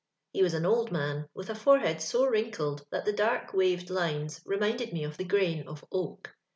He was an old man, with a forehead so wrinkled that the dork, waved hues remind ed me of the grain of oak.